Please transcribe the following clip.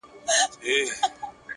پوهه او عاجزي ښکلی ترکیب دی!.